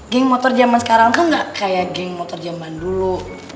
geng motor zaman sekarang tuh gak kayak geng motor zaman dulu